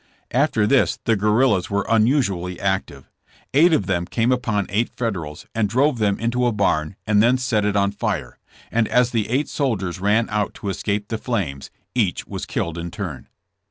After this the guerrillas were unusually active. Eight of them came upon eight Federals and drove them into a barn and then set it on fire, and as the eight soldiers ran out to escape the flames each was killed in turn.